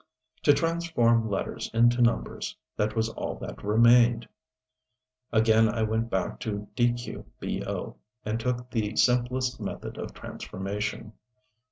To transform letters into numbers that was all that remained. Again I went back to "dqbo" and took the simplest method of transformation.